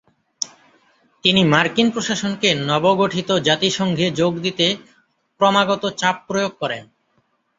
তিনি মার্কিন প্রশাসনকে নবগঠিত জাতিসংঘে যোগ দিতে ক্রমাগত চাপ প্রয়োগ করেন।